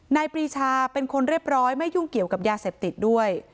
ปรีชาเป็นคนเรียบร้อยไม่ยุ่งเกี่ยวกับยาเสพติดด้วย